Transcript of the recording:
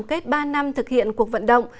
tổng kết ba năm thực hiện cuộc vận động